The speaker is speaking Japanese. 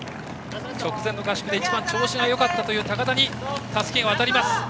直前の合宿で一番調子がよかったという高田にたすきが渡りました。